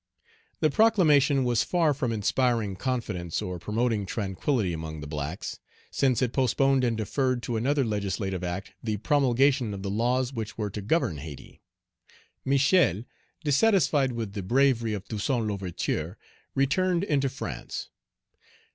The proclamation was far from inspiring confidence or promoting tranquillity among the blacks, since it postponed and deferred to another legislative act the promulgation of the laws which were to govern Hayti. Michel, dissatisfied with the bravery of Toussaint L'Ouverture, returned into France.